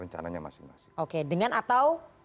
rencananya masing masing oke dengan atau